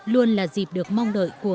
luôn là dịp được mong đợi của